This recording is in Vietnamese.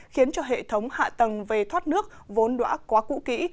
khiến cho hệ thống hạ tầng về thoát nước vốn đoã quá cũ kỹ